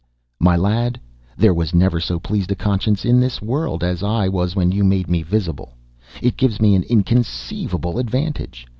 "My lad, there was never so pleased a conscience in this world as I was when you made me visible. It gives me an inconceivable advantage.